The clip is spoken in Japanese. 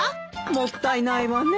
もったいないわねえ